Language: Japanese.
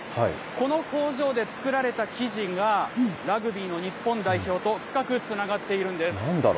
この工場で作られた生地が、ラグビーの日本代表と深くつながっているんです。